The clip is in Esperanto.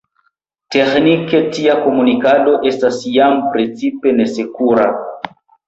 Teĥnike tia komunikado estas jam principe nesekura.